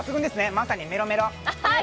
まさにメロメロ。